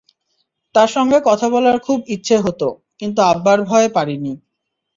তার সঙ্গে কথা বলার খুব ইচ্ছে হতো, কিন্তু আব্বার ভয়ে পারিনি।